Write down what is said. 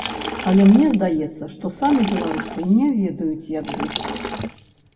Але мне здаецца, што самі беларусы не ведаюць, як жыць.